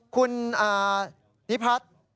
คุณนิพัทร